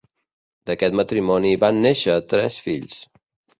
D'aquest matrimoni van néixer tres fills.